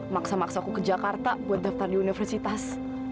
maksa maksa aku ke jakarta buat daftar di universitas